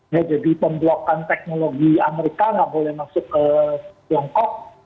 ya jadi pemblokan teknologi amerika nggak boleh masuk ke tiongkok